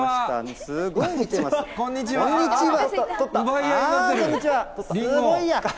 すごいや。